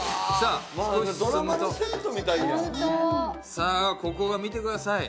さあここが見てください。